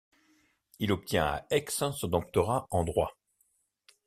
Il obtient à Aix son doctorat en droit.